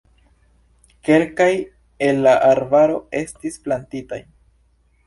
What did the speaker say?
Kelkaj el la arbaro estis plantitaj.